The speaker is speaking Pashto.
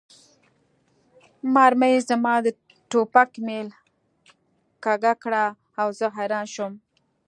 مرمۍ زما د ټوپک میل کږه کړه او زه حیران شوم